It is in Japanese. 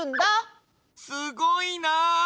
すごいな！